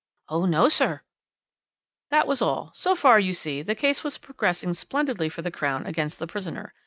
"'Oh no, sir.' "That was all. So far, you see, the case was progressing splendidly for the Crown against the prisoner.